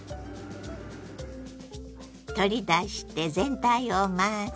取り出して全体を混ぜ。